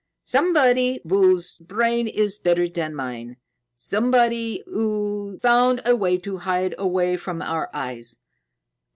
"Somebody whose brain is better than mine. Somebody who found a way to hide away from our eyes.